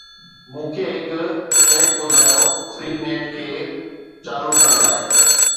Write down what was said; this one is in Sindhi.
مون کي هڪ ٽريڪ ٻڌايو. FreeNet کي چالو ڪرڻ لاء